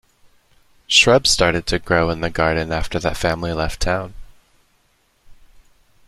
Shrubs started to grow in the garden after that family left town.